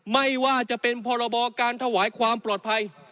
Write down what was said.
ไม่ว่าจะเป็นพรบการถวายความปลอดภัย